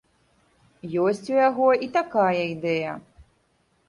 Ёсць у яго і такая ідэя.